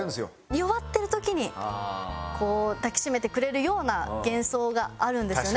弱ってる時にこう抱き締めてくれるような幻想があるんですよね